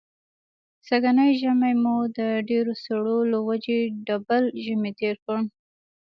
سږنی ژمی مو د ډېرو سړو له وجې ډبل ژمی تېر کړ.